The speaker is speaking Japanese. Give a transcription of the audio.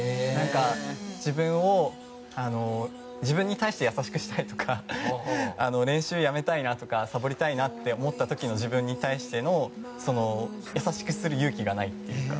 自分を、自分に対して優しくしたりとか練習やめめたいなとかさぼりたいなと思った時の自分に対しての優しくする勇気がないというか。